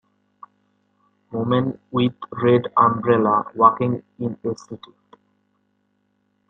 Woman with red umbrella walking in a city.